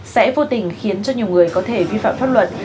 sẽ vô tình khiến cho nhiều người có thể vi phạm pháp luật